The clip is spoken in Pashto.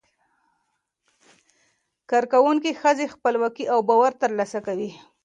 کارکوونکې ښځې خپلواکي او باور ترلاسه کوي.